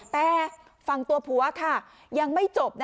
แต่ฟังตัวผัวค่ะ